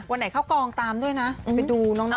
วันไหนเข้ากองตามด้วยนะไปดูน้อง